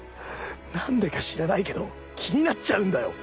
なんでか知らないけど気になっちゃうんだよ！